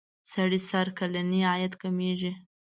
سړي سر کلنی عاید کمیږي.